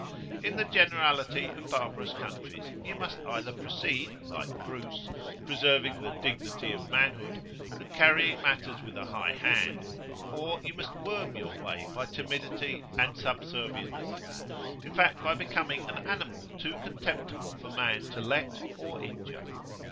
In the generality of barbarous countries you must either proceed, like Bruce, preserving the "dignity of manhood," and carrying matters with a high hand, or you must worm your way by timidity and [p.23]subservience; in fact, by becoming an animal too contemptible for man to let or injure.